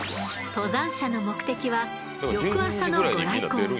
登山者の目的は翌朝のご来光。